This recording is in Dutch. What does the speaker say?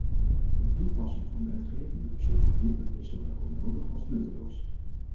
De toepassing van wetgeving op zulke groepen is zowel onnodig als nutteloos.